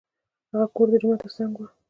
هغه کور د جومات تر څنګ و.